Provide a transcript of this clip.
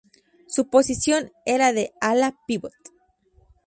Su posición era de ala-pívot.